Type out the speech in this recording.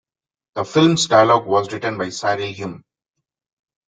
The film's dialogue was written by Cyril Hume.